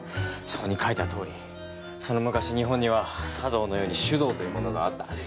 そこに書いたとおりその昔日本には茶道のように酒道というものがあった。